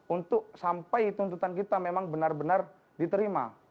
untuk sampai tuntutan kita memang benar benar diterima